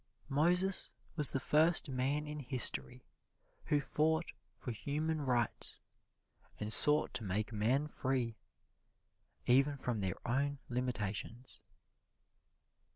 Moses was the first man in history who fought for human rights and sought to make men free, even from their own limitations.